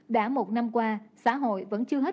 đã một năm qua xã hội vẫn chưa hết